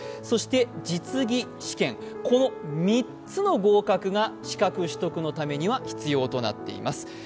そして実技試験、この３つの合格が資格取得のためには必要となっています。